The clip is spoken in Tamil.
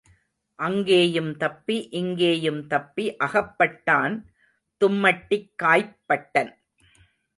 அங்கேயும் தப்பி இங்கேயும் தப்பி அகப்பட்டான் தும்மட்டிக் காய்ப் பட்டன்.